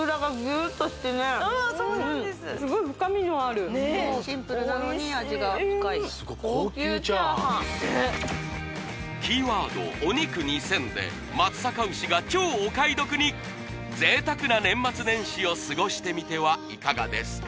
「ｏｎｉｋｕ２０００」で松阪牛が超お買い得に贅沢な年末年始を過ごしてみてはいかがですか